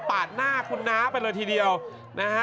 หน้าคุณน้าไปเลยทีเดียวนะฮะ